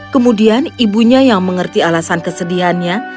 kemudian ibunya yang mengerti alasan kesedihannya